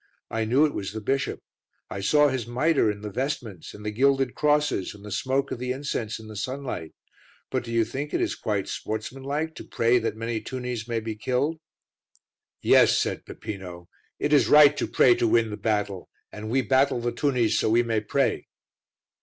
"I knew it was the bishop; I saw his mitre and the vestments and the gilded crosses and the smoke of the incense in the sunlight. But do you think it is quite sportsmanlike to pray that many tunnies may be killed?" "Yes," said Peppino, "it is right to pray to win the battle, and we battle the tunnies so we may pray."